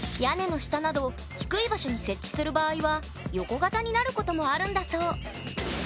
屋根の下など低い場所に設置する場合は横型になることもあるんだそう。